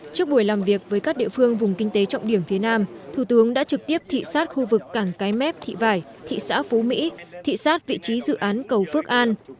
trước buổi làm việc với các địa phương vùng kinh tế trọng điểm phía nam thủ tướng đã trực tiếp thị xát khu vực cảng cái mép thị vải thị xã phú mỹ thị xát vị trí dự án cầu phước an